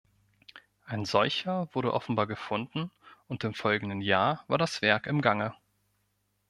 Ein solcher wurde offenbar gefunden und im folgenden Jahr war das Werk im Gange.